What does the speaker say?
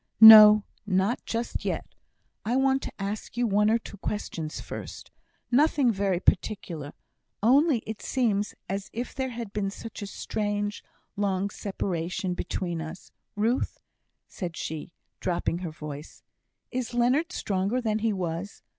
"No, not just yet. I want to ask you one or two questions first. Nothing very particular; only it seems as if there had been such a strange, long separation between us. Ruth," said she, dropping her voice, "is Leonard stronger than he was?